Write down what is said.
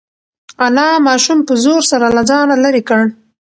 انا ماشوم په زور سره له ځانه لرې کړ.